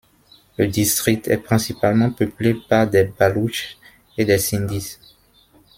Le district est principalement peuplé par des Baloutches et des Sindhis.